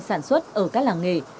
sản xuất ở các làng nghề